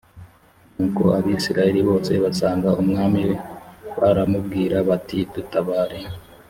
nuko abisirayeli bose basanga umwami baramubwira bati dutabare